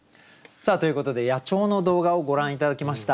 さあということで野鳥の動画をご覧頂きました。